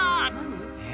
え？